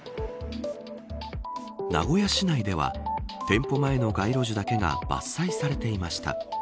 名古屋市内では店舗前の街路樹だけが伐採されていました。